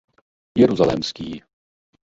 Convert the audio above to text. Jeruzalémský.